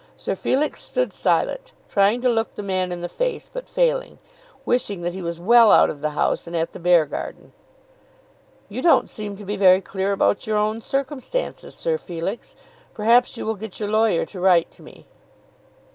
Sir Felix stood silent, trying to look the man in the face, but failing; wishing that he was well out of the house, and at the Beargarden. "You don't seem to be very clear about your own circumstances, Sir Felix. Perhaps you will get your lawyer to write to me."